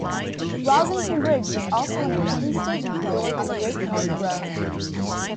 Rossington Bridge was also an important staging post on the Great North Road.